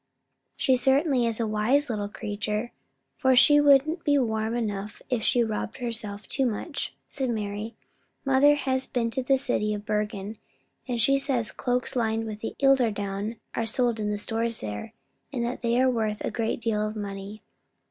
"She certainly is a wise little creature, for she wouldn't be warm enough if she robbed herself too much," said Mari. "Mother has been to the city of Bergen, and she says cloaks lined with eider down are sold in the stores there, and that they are worth a great deal of money."